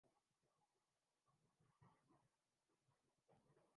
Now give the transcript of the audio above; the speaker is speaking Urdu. مودی صاحب نے جو چال چلی ہے، ہم اسے لوٹا سکتے ہیں۔